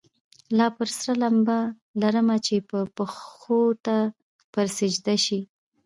لا پر سر لمبه لرمه چي مي پښو ته پر سجده سي